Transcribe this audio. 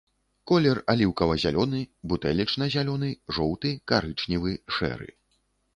Колер аліўкава-зялёны, бутэлечна-зялёны, жоўты, карычневы, шэры.